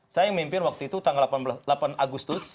saya yang mimpin waktu itu tanggal delapan agustus